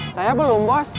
saya belum bos